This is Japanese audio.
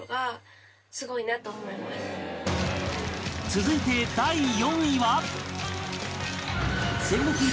続いて第４位は